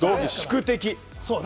宿敵！